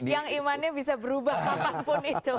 yang imannya bisa berubah kapanpun itu